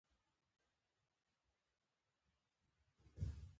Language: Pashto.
لمسی د ژوند خوږ یاد دی.